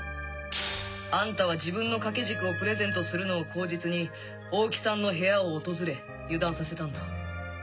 あんたは自分の掛け軸をプレゼントするのを口実に大木さんの部屋を訪れ油断させたんだ。